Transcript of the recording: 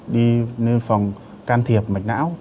đi lên phòng can thiệp mạch não